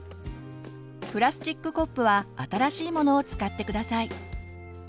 プラスチックコップは新しいものを使って下さい。